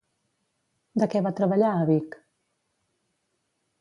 De què va treballar a Vic?